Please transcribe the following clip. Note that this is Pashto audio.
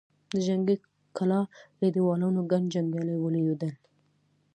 د جنګي کلا له دېوالونو ګڼ جنګيالي ولوېدل.